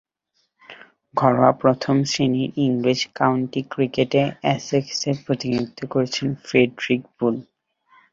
ঘরোয়া প্রথম-শ্রেণীর ইংরেজ কাউন্টি ক্রিকেটে এসেক্সের প্রতিনিধিত্ব করেছেন ফ্রেডরিক বুল।